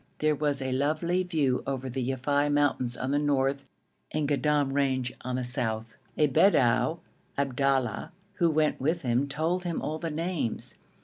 There was a lovely view over the Yafei mountains on the north and Goddam range on the south. A Bedou, Abdallah, who went with him told him all the names.